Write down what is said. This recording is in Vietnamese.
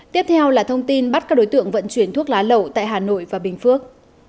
tiếp theo là thông tin bắt các đối tượng vận chuyển thuốc lá lậu tại hà nội và bình phước